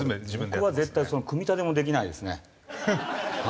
僕は絶対組み立てもできないですね。